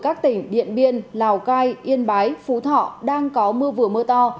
các tỉnh điện biên lào cai yên bái phú thọ đang có mưa vừa mưa to